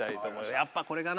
やっぱこれかな。